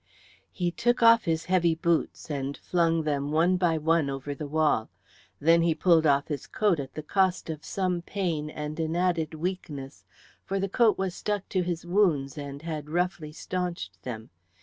He took off his heavy boots and flung them one by one over the wall. Then he pulled off his coat at the cost of some pain and an added weakness, for the coat was stuck to his wounds and had roughly staunched them.